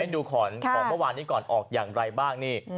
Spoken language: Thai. ดูขอนของเมื่อวานนี้ก่อนออกอย่างไรบ้างนี่